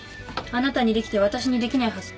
あなたにできて私にできないはず。